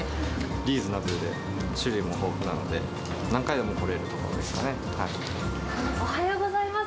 リーズナブルで、種類も豊富なので、おはようございます。